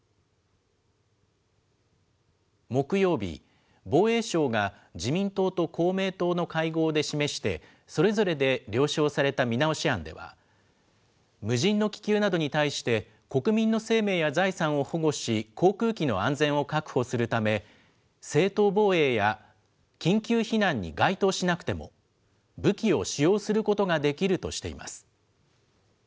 木曜日、防衛省が自民党の公明党の会合で示して、それぞれで了承された見直し案では、無人の気球などに対して、国民の生命や財産を保護し、航空機の安全を確保するため、正当防衛や、緊急避難に該当しなくても、武器を使用することができるとしています。